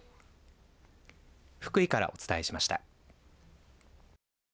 福井からお伝えしました。